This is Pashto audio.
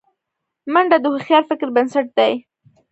منډه د هوښیار فکر بنسټ دی